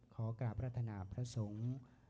ขอกราบรัฐนาพระสงฆ์